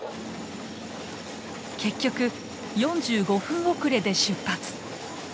結局４５分遅れで出発。